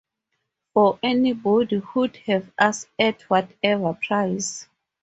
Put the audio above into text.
For anybody who'd have us-at whatever price.